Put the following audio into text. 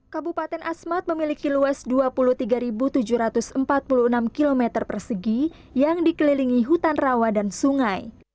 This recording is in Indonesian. kabupaten asmat memiliki luas dua puluh tiga tujuh ratus empat puluh enam km persegi yang dikelilingi hutan rawa dan sungai